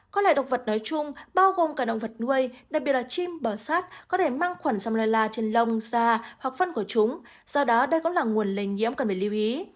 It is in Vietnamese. các loài động vật nói chung bao gồm cả động vật nuôi đặc biệt là chim bò sát có thể mang khuẩn salella trên lông da hoặc phân của chúng do đó đây cũng là nguồn lây nhiễm cần phải lưu ý